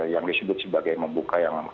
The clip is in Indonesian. yang disebut sebagai membuka yang